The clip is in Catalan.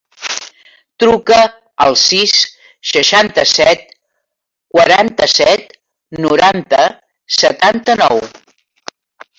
Truca al sis, seixanta-set, quaranta-set, noranta, setanta-nou.